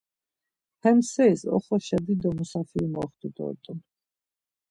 Hem seris oxoşa dido musafiri moxtu dort̆un.